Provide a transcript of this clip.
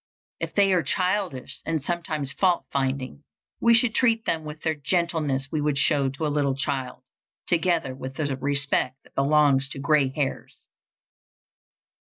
If they are childish and sometimes fault finding, we should treat them with the gentleness we would show to a little child, together with the respect that belongs to gray hairs.